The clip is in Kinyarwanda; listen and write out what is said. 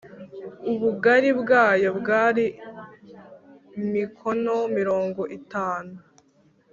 ubugari bwayo bwari mikono mirongo itanu